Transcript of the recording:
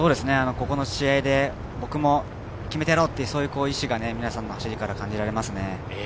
ここの試合で僕も決めてやろうという意思が皆さんの走りから感じられますね。